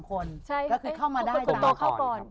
ก็คือเข้ามาได้ก่อน